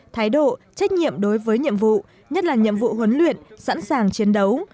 thái độ trách nhiệm đối với nhiệm vụ nhất là nhiệm vụ huấn luyện sẵn sàng chiến đấu